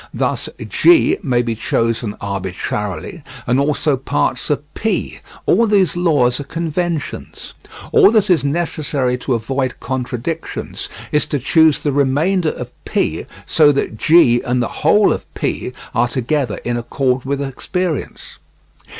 Thus (G) may be chosen arbitrarily, and also parts of (P); all these laws are conventions. All that is necessary to avoid contradictions is to choose the remainder of (P) so that (G) and the whole of (P) are together in accord with experience.